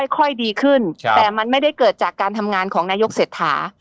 ค่อยดีขึ้นแต่มันไม่ได้เกิดจากการทำงานของนายกเศรษฐา